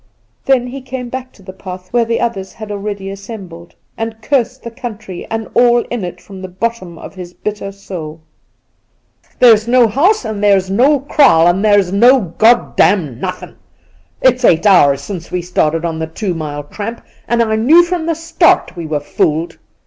Then he came back to the path where the others had already assembled, and cursed the country and all in it from the bottom of his bitter soul. ' There's no house and there's no kraal, and there's no Grod damn nothing. It's eight hours since we started on the " two mile " tramp, and I knew from the start we were fooled.